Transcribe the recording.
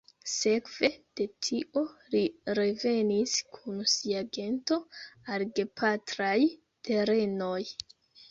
Sekve de tio li revenis kun sia gento al gepatraj terenoj.